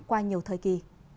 qua nhiều thời kỳ